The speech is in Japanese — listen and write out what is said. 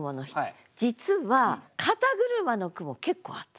実は「肩車」の句も結構あった。